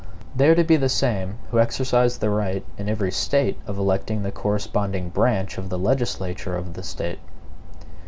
They are to be the same who exercise the right in every State of electing the corresponding branch of the legislature of the State.